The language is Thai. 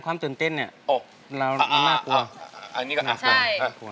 คิดถึงอย่าอายเขาอายเขาร้องเพลงแล้ว